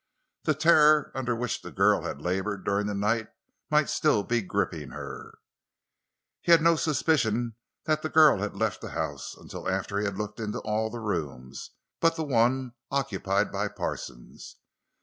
The terror under which the girl had labored during the night might still be gripping her. He had no suspicion that the girl had left the house until after he had looked into all the rooms but the one occupied by Parsons.